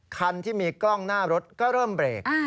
คันที่มีกล้องหน้ารถก็เริ่มเบรก